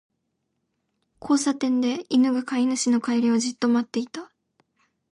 交差点で、犬が飼い主の帰りをじっと待っていた。